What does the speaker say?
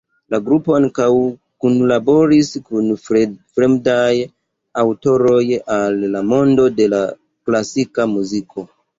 La grupo ankaŭ kunlaboris kun fremdaj aŭtoroj al la mondo de la klasika muziko.